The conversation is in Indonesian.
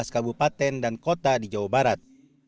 kabupaten dan kota di jawa barat